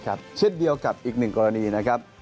เช่นเดียวกับอีกหนึ่งกรณีนะครับ